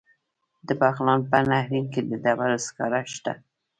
د بغلان په نهرین کې د ډبرو سکاره شته.